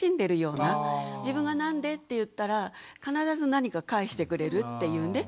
自分が「なんで？」って言ったら必ず何か返してくれるっていうね。